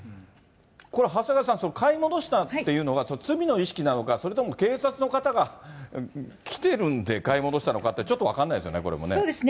これ、長谷川さん、買い戻したっていうのが、罪の意識なのか、それとも警察の方が来てるんで、買い戻したのかって、ちょっと分かんないですよね、そうですね。